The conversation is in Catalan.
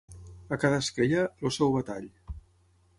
A cada esquella, el seu batall.